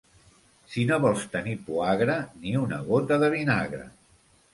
Si no vols tenir poagre, ni una gota de vinagre.